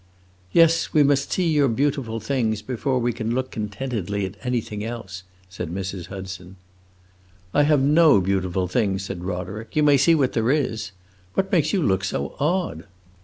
"Yes, we must see your beautiful things before we can look contentedly at anything else," said Mrs. Hudson. "I have no beautiful things," said Roderick. "You may see what there is! What makes you look so odd?"